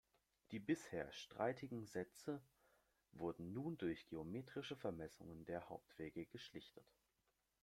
Die bisher streitigen Sätze wurden nun durch geometrische Vermessung der Hauptwege geschlichtet.